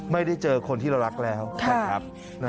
ไม่ได้เจอคนที่เรารักแล้วนะครับ